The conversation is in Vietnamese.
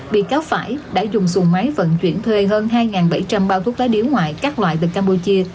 bị cáo phải đã dùng xuồng máy vận chuyển thuê hơn hai bảy trăm linh bao thuốc lá điếu ngoại các loại từ campuchia